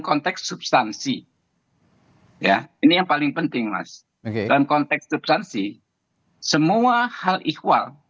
konteks substansi ya ini yang paling penting mas dalam konteks substansi semua hal ihwal